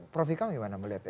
prof vikaung gimana melihatnya